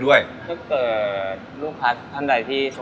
ก็เลยเริ่มต้นจากเป็นคนรักเส้น